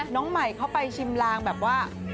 น้องใหม่เขาไปชิมลางแบบว่า